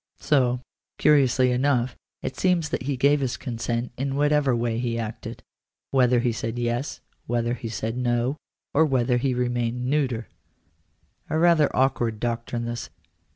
So, curiously enough, it seems that he gave his consent in whatever way he acted — whether he said yes, whether he said no, or whether he remained neuter ! A rather awkward doctrine this.